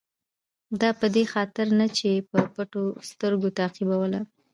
دا په دې خاطر نه چې په پټو سترګو تعقیبوله.